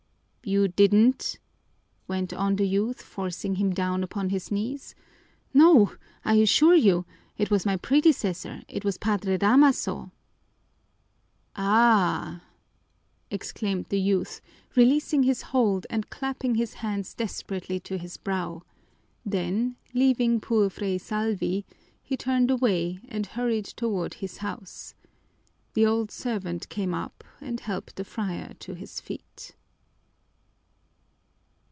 "You didn't?" went on the youth, forcing him down upon his knees. "No, I assure you! It was my predecessor, it was Padre Damaso!" "Ah!" exclaimed the youth, releasing his hold, and clapping his hand desperately to his brow; then, leaving poor Fray Salvi, he turned away and hurried toward his house. The old servant came up and helped the friar to his feet.